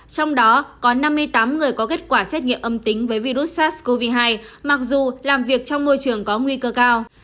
trong đó có năm mươi tám người có kết quả xét nghiệm âm tính với virus sars cov hai mặc dù làm việc trong môi trường có nguy cơ cao